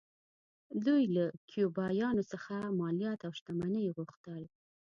دوی له کیوبایانو څخه مالیات او شتمنۍ غوښتل